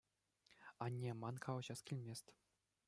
Анне, ман калаҫас килмест.